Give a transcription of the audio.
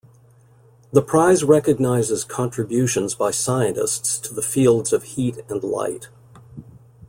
The prize recognizes contributions by scientists to the fields of heat and light.